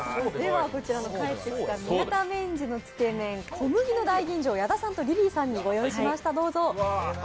こちら帰ってきた宮田麺児のつけ麺小麦の大吟醸、矢田さんとリリーさんに御用意しました。